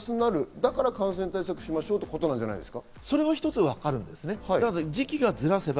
だから感染対策をしましょうってことなんじゃないんですか？